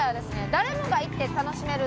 誰もが行って楽しめる